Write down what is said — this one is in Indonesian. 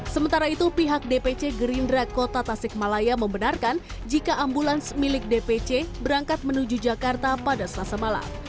sementara itu pihak dpc gerindra kota tasikmalaya membenarkan jika ambulans milik dpc berangkat menuju jakarta pada selasa malam